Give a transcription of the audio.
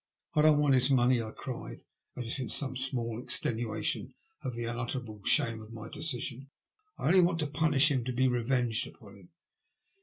'' I don't want his money," I cried, as if in some small extenuation of the unutterable shame of my decision. ''I only want to punish him — to be revenged upon him."